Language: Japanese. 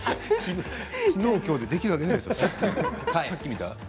きのうきょうでできるわけないでしょう。